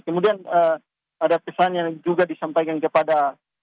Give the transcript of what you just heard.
kemudian ada pesan yang juga disampaikan kepada